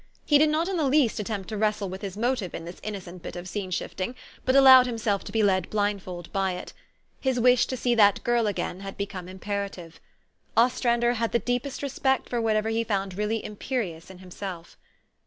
He did not in the least attempt to wrestle with his motive in this innocent bit of scene shifting, THE STORY OF AVIS. 75 but allowed himself to be led blindfold by it. His wish to see that girl again had become imperative. Ostrander had the deepest respect for whatever he found really imperious in himself.